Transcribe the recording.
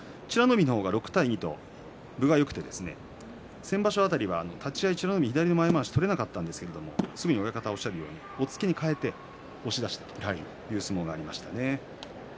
海の方が６対２と分がよくて先場所辺りは立ち合い美ノ海、左前まわし取れなかったんですけどもすぐ押っつけに変えて押し出しという相撲がありました。